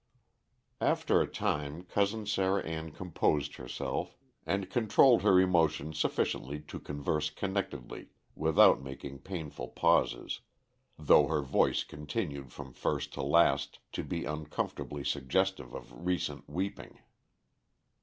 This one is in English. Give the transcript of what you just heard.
After a time Cousin Sarah Ann composed herself, and controlled her emotion sufficiently to converse connectedly without making painful pauses, though her voice continued from first to last to be uncomfortably suggestive of recent weeping.